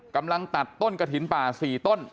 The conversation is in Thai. กำลังตัดต้นกระถิ่นป่า๔ต้น